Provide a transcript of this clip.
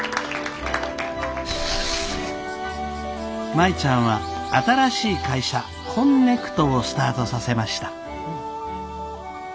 舞ちゃんは新しい会社こんねくとをスタートさせました。